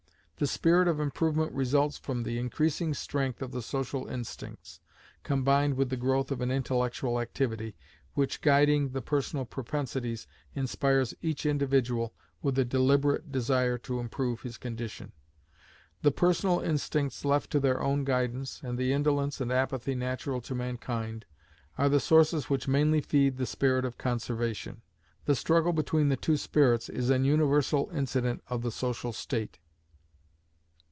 The spirit of improvement results from the increasing strength of the social instincts, combined with the growth of an intellectual activity, which guiding the personal propensities, inspires each individual with a deliberate desire to improve his condition. The personal instincts left to their own guidance, and the indolence and apathy natural to mankind, are the sources which mainly feed the spirit of Conservation. The struggle between the two spirits is an universal incident of the social state.